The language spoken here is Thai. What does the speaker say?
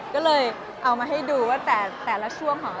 ก็เลยเอามาให้ดูว่าแต่ละช่วงของ